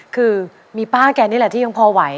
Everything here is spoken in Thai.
คือมีป้าแกนี่แหละที่ยังพอไหว